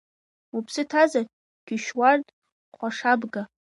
Уԥсы ҭазар, Қьышьуард, хәашабга…